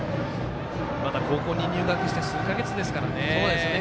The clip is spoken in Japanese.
まだ高校に入学して数か月ですからね。